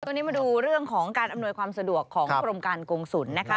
มาดูเรื่องของการอำนวยความสะดวกของกรมการกงศุลนะคะ